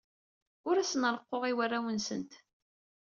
Ur asen-reqquɣ i warraw-nsent.